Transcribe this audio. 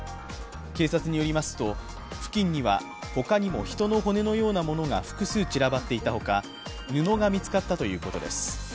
警察によりますと、付近にはほかにも人の骨のようなものが複数散らばっていたほか布が見つかったということです。